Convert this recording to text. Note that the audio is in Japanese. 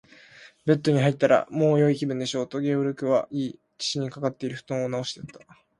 「ベッドに入ったら、もうよい気分でしょう？」と、ゲオルクは言い、父にかかっているふとんをなおしてやった。